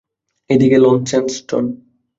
এই দিকে লন্সেস্টন।